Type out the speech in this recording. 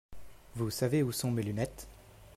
Vous savez où sont mes lunettes ?